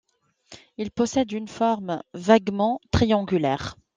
Il possède une forme vaguement triangulaire.